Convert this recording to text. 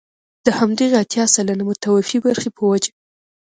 د همدغې اتيا سلنه متوفي برخې په وجه.